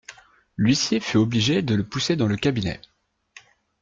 L'huissier fut obligé de le pousser dans le cabinet.